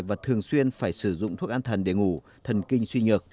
và thường xuyên phải sử dụng thuốc an thần để ngủ thần kinh suy nhược